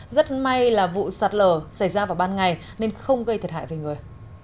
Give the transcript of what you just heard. rất may là vụ sạt lở xảy ra vào ban ngày nên không gây thiệt hại về người